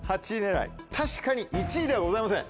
確かに１位ではございません。